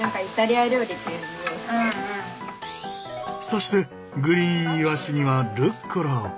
そしてグリーンイワシにはルッコラを。